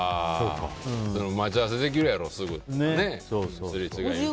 待ち合わせできるやろすぐってね。